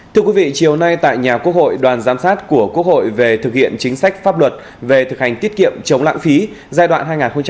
thưa quý vị chiều nay tại nhà quốc hội đoàn giám sát của quốc hội về thực hiện chính sách pháp luật về thực hành tiết kiệm chống lãng phí giai đoạn hai nghìn một mươi sáu hai nghìn hai mươi